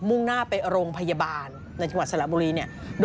่งหน้าไปโรงพยาบาลในจังหวัดสระบุรีเนี่ย